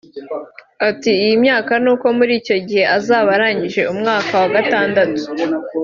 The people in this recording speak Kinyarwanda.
Ati “ iyi myaka nuko muri icyo gihe azaba arangije umwaka wa gatandatu